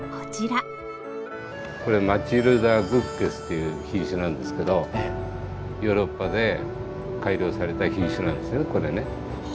これ「マチルダ・グッゲス」という品種なんですけどヨーロッパで改良された品種なんですよこれね。